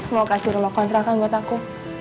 mau kasih rumah kontrakan buat aku